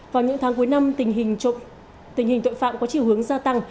vào những tháng cuối năm tình hình tội phạm có chiều hướng gia tăng